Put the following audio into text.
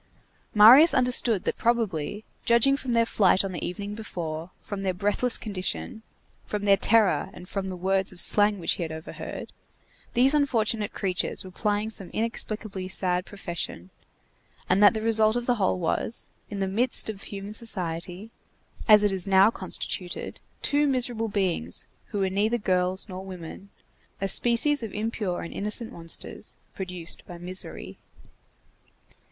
Marius understood that probably, judging from their flight on the evening before, from their breathless condition, from their terror and from the words of slang which he had overheard, these unfortunate creatures were plying some inexplicably sad profession, and that the result of the whole was, in the midst of human society, as it is now constituted, two miserable beings who were neither girls nor women, a species of impure and innocent monsters produced by misery.